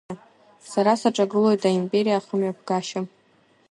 Сара саҿагылоит аимпериа ахымҩаԥгашьа.